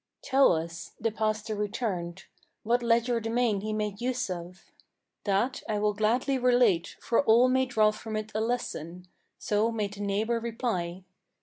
"Tell us," the pastor returned, "what legerdemain he made use of." "That will I gladly relate, for all may draw from it a lesson;" So made the neighbor reply.